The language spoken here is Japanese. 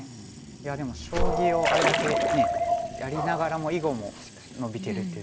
いやでも将棋をあれだけねえやりながらも囲碁も伸びてるっていうところが。